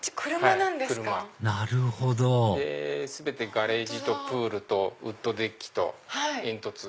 なるほど全てガレージとプールとウッドデッキと煙突。